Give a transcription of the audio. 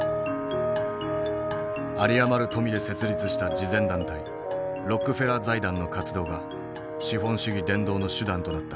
有り余る富で設立した慈善団体ロックフェラー財団の活動が資本主義伝道の手段となった。